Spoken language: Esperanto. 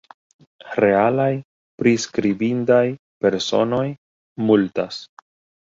Realaj priskribindaj personoj multas.